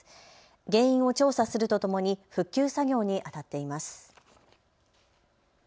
原因を調査するとともに復旧作業にあたっています。